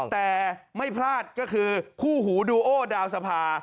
แต่ไม่พลาดก็คือคู่หูดูโอดาวสภา